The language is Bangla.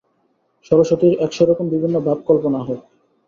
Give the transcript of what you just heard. সরস্বতীর একশ রকম বিভিন্ন ভাব কল্পনা হোক।